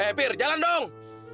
eh fir jalan dong